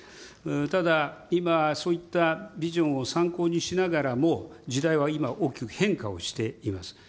ただ、今、そういったビジョンを参考にしながらも、時代は今、大きく変化をしています。